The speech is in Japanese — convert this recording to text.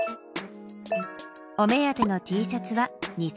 お目当てのＴシャツは２０００円。